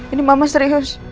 ini mama serius